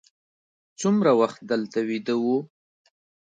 څومره وخت دلته ویده وو.